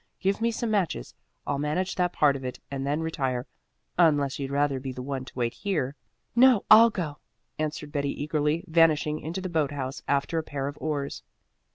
Give me some matches. I'll manage that part of it and then retire, unless you'd rather be the one to wait here." "No, I'll go," answered Betty eagerly, vanishing into the boat house after a pair of oars.